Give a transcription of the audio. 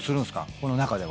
この中では。